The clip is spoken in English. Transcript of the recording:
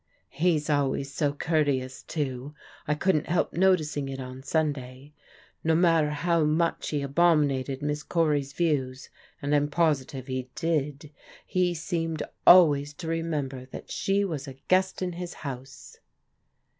" He's always so courteous, too. I couldn't hdp no ticing it on Sunday. No matter how much he abomi nated Miss Cory's views — ^and I'm positive he did — he seemed always to remember that she was a guest in his house."